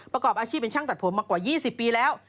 ประกอบอาชีพเป็นช่างตัดผมมากว่า๒๐ปีแล้ว